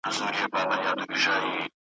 علم شیطان دی خلک تېرباسي `